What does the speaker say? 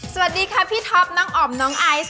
สวัสดีค่ะพี่ท็อปน้องอ๋อมน้องไอซ์